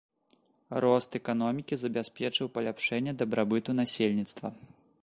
Рост эканомікі забяспечыў паляпшэнне дабрабыту насельніцтва.